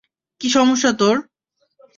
কী সমস্যা তোর?